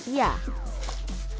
persiapan menjadi kunci menurut ririn